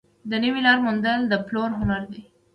د نوې لارې موندل د پلور هنر دی.